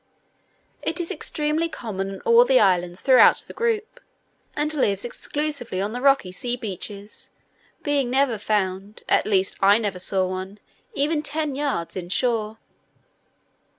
It is extremely common on all the islands throughout the group, and lives exclusively on the rocky sea beaches, being never found, at least I never saw one, even ten yards in shore.